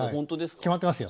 決まってますよ。